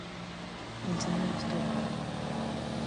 El señor es Toby.